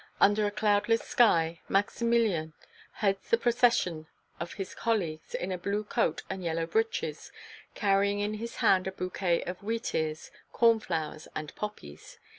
Under a cloudless sky, Maximilien heads the procession of his colleagues in a blue coat and yellow breeches, carrying in his hand a bouquet of wheatears, cornflowers and poppies.